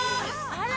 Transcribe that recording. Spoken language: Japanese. あら！